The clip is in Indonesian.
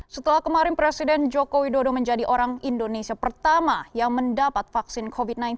setelah kemarin presiden joko widodo menjadi orang indonesia pertama yang mendapat vaksin covid sembilan belas